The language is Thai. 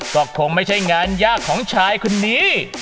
ก็คงไม่ใช่งานยากของชายคนนี้